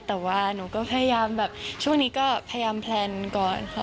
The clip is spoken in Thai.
แต่ว่าหนูก็พยายามแบบช่วงนี้ก็พยายามแพลนก่อนค่ะ